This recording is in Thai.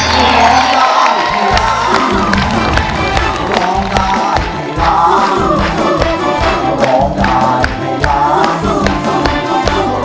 ร้องได้ในเพลงที่สองแบบนี้รับราคาสองหมื่นบาท